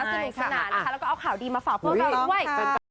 สนุกสนานนะคะแล้วก็เอาข่าวดีมาฝากพวกเราด้วย